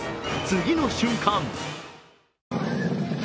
次の瞬間